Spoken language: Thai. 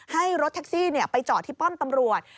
ให้รถแท็กซี่ไปจอดที่ป้อมตำรวจ